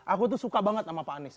aku tuh suka banget sama pak anies